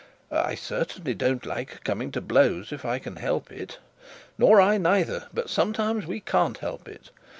'I certainly don't like coming to blows, if I can help it.' 'Nor I neither but sometimes we can't help it.